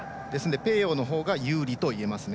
ペーヨーのほうが有利といえますね。